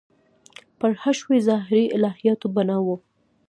پر حشوي – ظاهري الهیاتو بنا و.